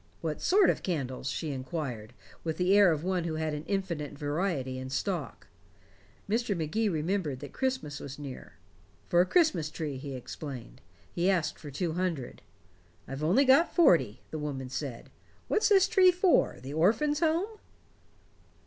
"What sort of candles?" she inquired, with the air of one who had an infinite variety in stock. Mr. Magee remembered that Christmas was near. "For a Christmas tree," he explained. He asked for two hundred. "I've only got forty," the woman said. "What's this tree for the Orphans' Home?"